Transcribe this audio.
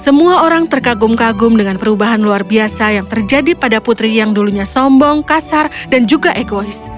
semua orang terkagum kagum dengan perubahan luar biasa yang terjadi pada putri yang dulunya sombong kasar dan juga egois